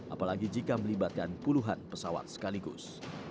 apalagi jika melibatkan puluhan pesawat sekaligus